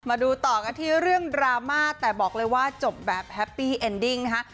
มาดูต่อกันที่เรื่องดราม่าแต่บอกเลยว่าจบแบบแฮปปี้เอ็นดิ้งนะคะ